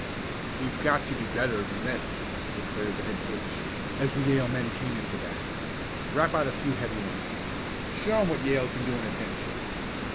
"We've got to do better than this," declared the head coach, as the Yale men came in to bat. "Rap out a few heavy ones. Show 'em what Yale can do in a pinch."